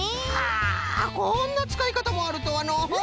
あこんなつかいかたもあるとはのう。